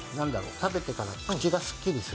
食べてから口がすっきりする。